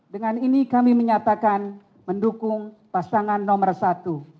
dengan ini kami menyatakan mendukung pasangan nomor satu